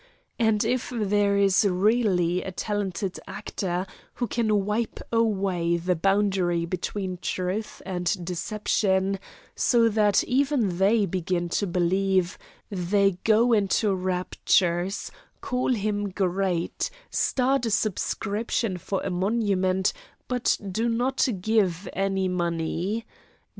And if there is really a talented actor who can wipe away the boundary between truth and deception, so that even they begin to believe, they go into raptures, call him great, start a subscription for a monument, but do not give any money.